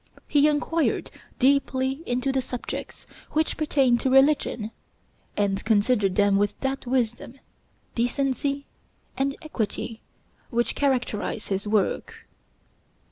He inquired deeply into the subjects which pertain to religion, and considered them with that wisdom, decency, and equity, which characterize his work.